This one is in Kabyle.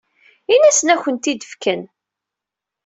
Ini-asen ad ak-ten-id-fken.